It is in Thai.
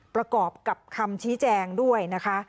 ประกอบกับคำชี้แจงด้วยนะคะ